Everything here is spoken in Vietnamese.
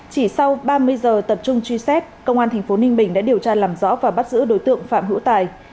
chỉ sau ba mươi giờ tập trung truy xét công an tp ninh bình đã điều tra làm rõ và bắt giữ đối tượng phạm hữu tài